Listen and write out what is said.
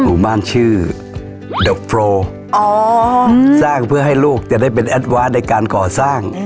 หมู่บ้านชื่ออ๋อสร้างเพื่อให้ลูกจะได้เป็นในการก่อสร้างอ๋อ